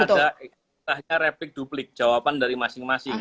nanti ada ekspektanya replik duplik jawaban dari masing masing